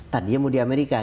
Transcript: tadi dia mau di amerika